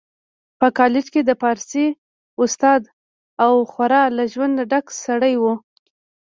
په کالج کي د فارسي استاد او خورا له ژونده ډک سړی و